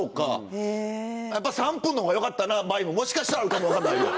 やっぱ３分の方がよかったな場合ももしかしたらあるかも分かんないよ。